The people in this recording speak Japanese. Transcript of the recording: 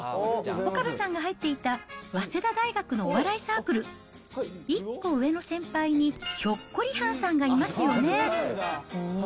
岡部さんが入っていた早稲田大学のお笑いサークル、１個上の先輩にひょっこりはんさんがいますよね。